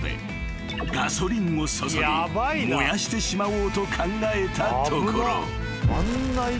［ガソリンを注ぎ燃やしてしまおうと考えたところ］